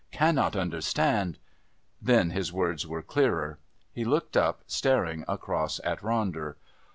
"Cannot understand...." Then his words were clearer. He looked up, staring across at Ronder.